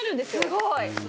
すごい！